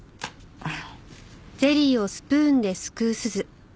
あっ。